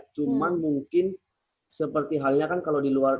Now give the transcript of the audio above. cuman mungkin seperti halnya kan kalau di luar